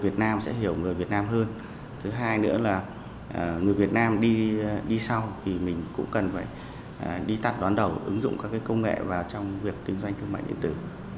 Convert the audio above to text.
thứ hai nữa là người việt nam đi sau thì mình cũng cần phải đi tắt đón đầu ứng dụng các công nghệ vào trong việc kinh doanh thương mại điện tử